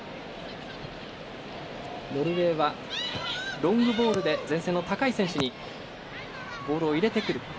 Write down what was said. ノルウェーは、ロングボールで前線の高い選手にボールを入れてくる。